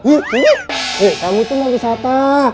yuk kamu tuh mau wisata